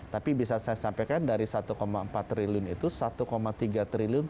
tapi bisa saya sampaikan dari satu empat triliun itu satu tiga triliun